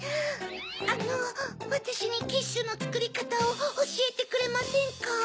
あのわたしにキッシュのつくりかたをおしえてくれませんか？